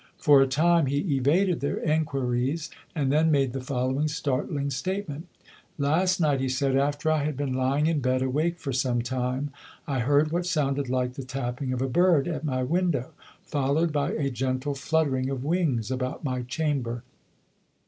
For a time he evaded their enquiries, and then made the following startling statement: "Last night," he said, "after I had been lying in bed awake for some time, I heard what sounded like the tapping of a bird at my window, followed by a gentle fluttering of wings about my chamber.